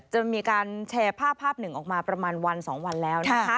จะมีการแชร์ภาพภาพหนึ่งออกมาประมาณวัน๒วันแล้วนะคะ